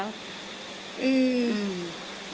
อืม